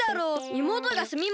いもうとがすみません。